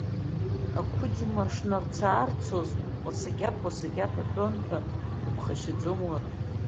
Ақәыџьма шнарца-нарцоз уаскьаԥ-уаскьаԥ аҳәон, ҳәа, дыԥхашьаӡом, уара…